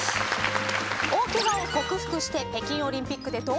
大ケガを克服して北京オリンピックで銅メダルを獲得。